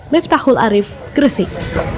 miftahul arif gresik